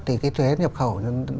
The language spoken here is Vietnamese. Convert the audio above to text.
thì cái thuế nhập khẩu